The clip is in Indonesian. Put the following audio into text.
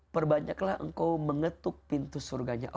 perbanyaklah engkau mengetuk pintu surganya allah